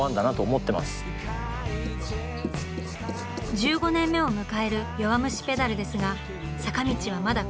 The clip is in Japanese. １５年目を迎える「弱虫ペダル」ですが坂道はまだ高校２年生。